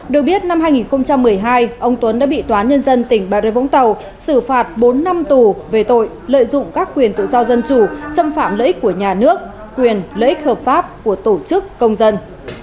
được biết năm hai nghìn một mươi hai ông tuấn đã bị tòa nhân dân tỉnh bà rê vũng tàu xử phạt bốn năm tù về tội lợi dụng các quyền tự do dân chủ xâm phạm lợi ích của nhà nước quyền lợi ích hợp pháp của tổ chức công dân